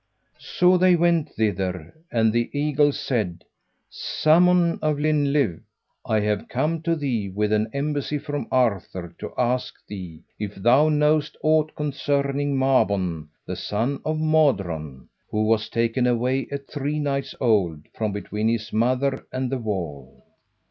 So they went thither, and the eagle said, "Salmon of Llyn Llyw, I have come to thee with an embassy from Arthur to ask thee if thou knowest aught concerning Mabon, the son of Modron, who was taken away at three nights old from between his mother and the wall."